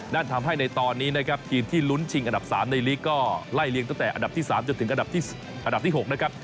นั่นทำให้ในตอนนี้นะครับทีมที่ลุ้นชิงอันดับ๓ในลีกก็ไล่เลี้ยตั้งแต่อันดับที่๓จนถึงอันดับที่๖นะครับ